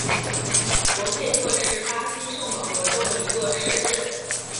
博费特是巴西圣保罗州的一个市镇。